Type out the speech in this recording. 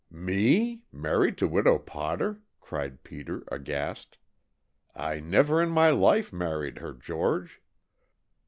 "Me? Married to Widow Potter?" cried Peter, aghast. "I never in my life married her, George!"